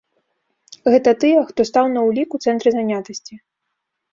Гэта тыя, хто стаў на ўлік у цэнтры занятасці.